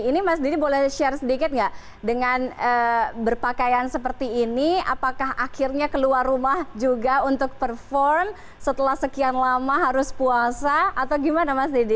ini mas didi boleh share sedikit nggak dengan berpakaian seperti ini apakah akhirnya keluar rumah juga untuk perform setelah sekian lama harus puasa atau gimana mas didi